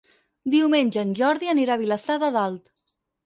Diumenge en Jordi anirà a Vilassar de Dalt.